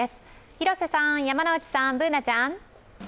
広瀬さん、山内さん、Ｂｏｏｎａちゃん。